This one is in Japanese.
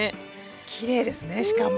きれいですねしかも。